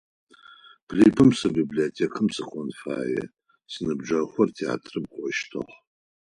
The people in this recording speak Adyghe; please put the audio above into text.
Блыпэм сэ библиотекам сыкӏон фае, синыбджэгъухэр театрам кӏощтых.